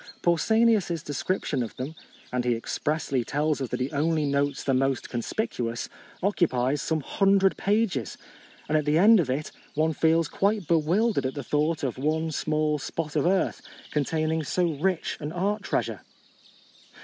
Pausanias's description of them — and he expressly tells us that he only notes the most con spicuous— occupies some hundred pages ; and at the end of it one feels quite bewildered at the thought of one small spot of earth containing so rich an art treasure.